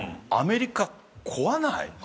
アメリカ怖ない？